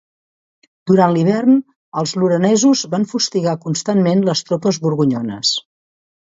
Durant l'hivern, els lorenesos van fustigar constantment les tropes borgonyones.